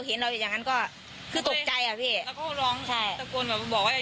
หน้าน้องจะหยุดก้อนหินเข้ามา